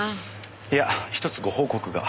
いや１つご報告が。